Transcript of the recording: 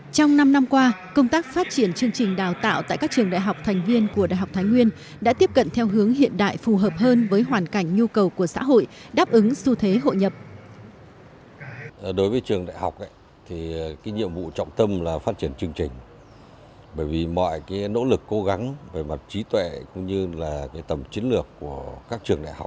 trong năm năm qua công tác phát triển chương trình đào tạo tại các trường đại học thành viên của đại học thái nguyên đã tiếp cận theo hướng hiện đại phù hợp hơn với hoàn cảnh nhu cầu của xã hội đáp ứng xu thế hội nhập